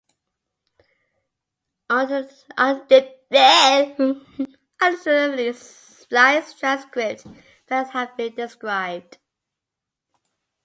Alternatively spliced transcript variants have been described.